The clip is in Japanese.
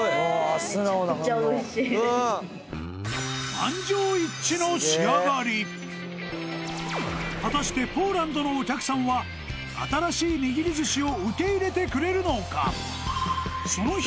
満場一致の仕上がり果たしてポーランドのお客さんは新しいにぎり寿司を受け入れてくれるのか？